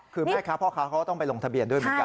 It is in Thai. คือแม่ค้าพ่อค้าเขาก็ต้องไปลงทะเบียนด้วยเหมือนกัน